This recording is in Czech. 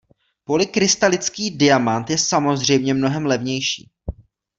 Polykrystalický diamat je samozřejmě mnohem levnější.